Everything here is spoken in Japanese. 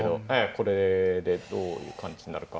これでどういう感じになるか。